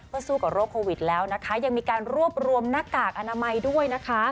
สู้กับโรคโควิดแล้วนะคะยังมีการรวบรวมหน้ากากอนามัยด้วยนะคะ